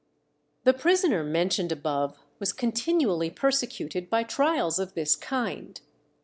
The prisoner mentioned above was continually persecuted by trials of this kind.